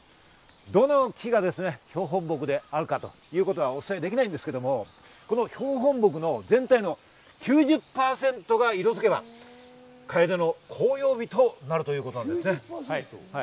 どの木が標本木であるかということはお伝えできないんですけれど、標本木の全体の９０％が色づけば、カエデの紅葉日となるということなんです。